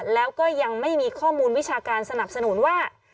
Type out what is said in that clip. แล้วก็ยังไม่มีข้อมูลวิชาการสนับสนุนว่า